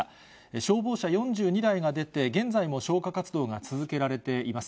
消防車４２台が出て、現在も消火活動が続けられています。